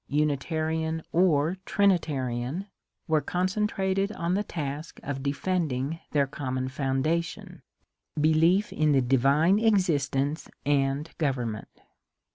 Unitarian or Trinitarian, were concentrated on the task of defending their common foundation — belief in the divine existence and gov ernment.